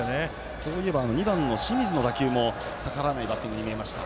そういえば２番の清水の打球も逆らわないように見えました。